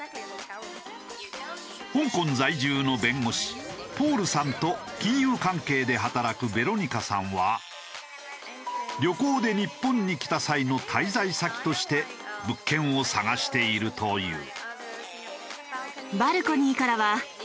香港在住の弁護士ポールさんと金融関係で働くベロニカさんは旅行で日本に来た際の滞在先として物件を探しているという。